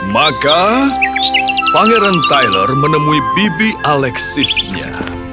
maka pangeran tyler menemui bibi alexisnya